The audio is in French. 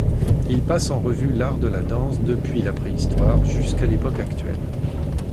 Il passe en revue l'art de la danse depuis la préhistoire jusqu'à l'époque actuelle.